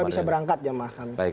semoga bisa berangkat jamaah kami